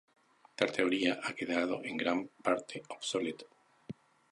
Tal teoría ha quedado en gran parte obsoleta.